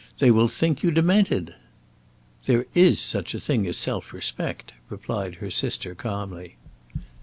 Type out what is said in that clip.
They will think you demented." "There is such a thing as self respect," replied her sister, calmly.